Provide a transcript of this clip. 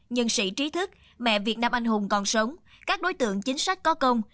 nhân sĩ trí thức mẹ việt nam anh hùng còn sống các đối tượng chính sách có công